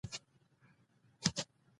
د پرانیستو بنسټونو سپېڅلې کړۍ ساتنه کوله.